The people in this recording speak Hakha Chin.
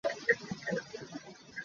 Cite cu ti chungah a maan.